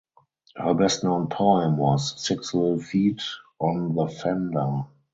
Her best known poem was "Six Little Feet on the Fender".